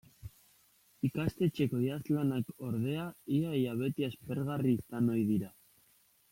Ikastetxeko idazlanak, ordea, ia-ia beti aspergarri izan ohi dira.